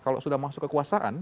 kalau sudah masuk kekuasaan